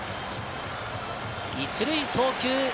１塁送球。